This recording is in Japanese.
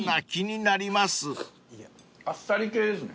あっさり系ですね。